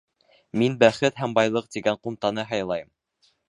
Мин «Бәхет һәм байлыҡ» тигән ҡумтаны һайлайым.